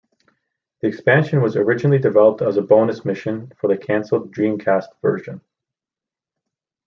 The expansion was originally developed as a bonus mission for the canceled Dreamcast version.